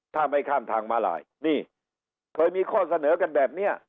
ถ้าไม่ข้ามทางมาลายนี่เคยมีข้อเสนอกันแบบนี้